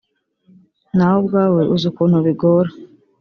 nawe ubwawe uzi ukuntu bigora